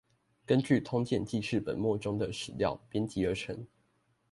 根據通鑑紀事本末中的史料編輯而成